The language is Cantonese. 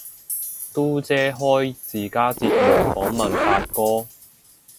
嘟姐開自家節目訪問發哥